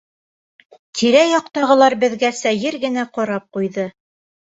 Тирә-яҡтағылар беҙгә сәйер генә ҡарап ҡуйҙы.